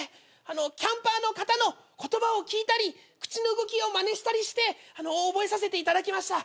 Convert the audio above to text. キャンパーの方の言葉を聞いたり口の動きをまねしたりして覚えさせていただきました。